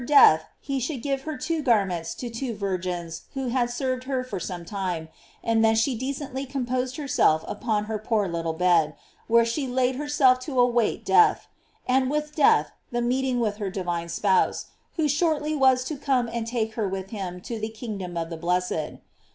death he should give her two garments to two virgins who had served her for some time, and then she decently composed herself upon her poor little bed, where she laid herself to await death, and with death the meeting with her divine spouse, who shortly was to come and take her with him to the kingdom of the blessed.